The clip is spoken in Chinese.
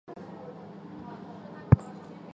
目前该校设有高中部及国中部。